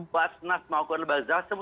basnas mahakulam lebak zahra